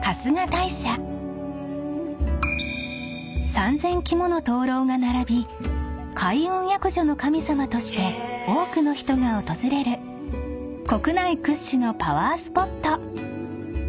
［３，０００基もの灯籠が並び開運厄除の神様として多くの人が訪れる国内屈指のパワースポット］